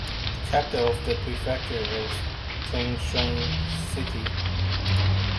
The capital of the prefecture is Chuxiong City.